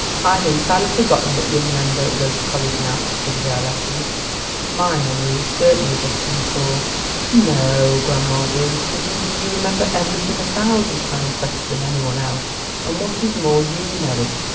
"I'd entirely forgotten that young men don't go to college now to study their lessons. My memory is certainly getting poor." "No, grandma dear; it isn't. You remember everything a thousand times better than any one else, and what is more, you know it.